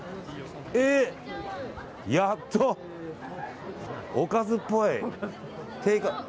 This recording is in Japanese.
やっと、おかずっぽい。